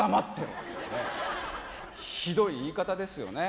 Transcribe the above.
ひどい言い方ですよね